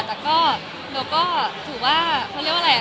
แต่ก็เบลก็ถือว่าเขาเรียกว่าอะไรอ่ะ